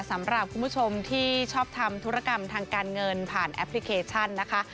สำหรับคุณผู้ชมที่ชอบทำธุรกรรมทางการเงินผ่านแอปพลิเคชันนะคะ